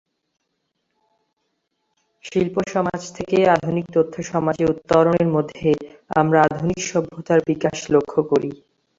শিল্প সমাজ থেকে আধুনিক তথ্য সমাজে উত্তরণের মধ্যে আমরা আধুনিক সভ্যতার বিকাশ লক্ষ্য করি।